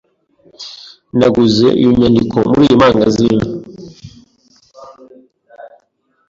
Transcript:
Naguze iyo nyandiko muriyi mangazini.